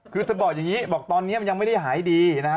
คือเธอบอกอย่างนี้บอกตอนนี้มันยังไม่ได้หายดีนะฮะ